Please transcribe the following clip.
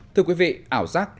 thưa quý vị ảo giác loạn thẩm